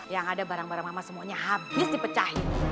yang ada barang barang mama semuanya habis dipecahin